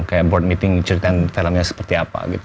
kayak board meeting ceritain filmnya seperti apa gitu